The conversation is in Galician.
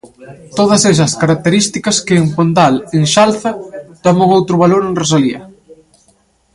Todos esas características que en Pondal enxalza toman outro valor en Rosalía.